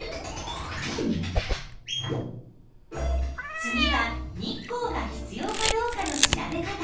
次は日光が必要かどうかの調べ方。